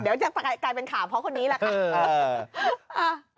เดี๋ยวจะกลายเป็นข่าวเพราะคนนี้แหละค่ะ